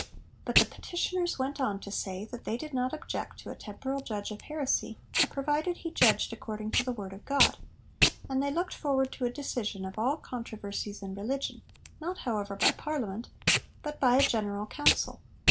But the petitioners went on to say that they did not object to a temporal judge of heresy, provided he judged according to the Word of God; and they looked forward to a decision of 'all controversies in religion,' not however by Parliament, but by a General Council.